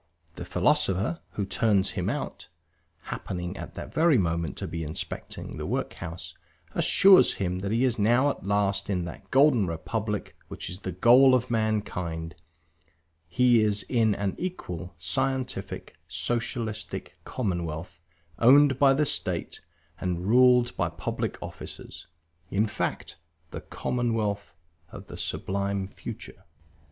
The philosopher who turned him out (happening at that very moment to be inspecting the workhouse) assures him that he is now at last in that golden republic which is the goal of mankind; he is in an equal, scientific, Socialistic commonwealth, owned by the State and ruled by public officers; in fact, the commonwealth of the sublime future.